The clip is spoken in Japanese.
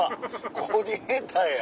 コーディネーターや。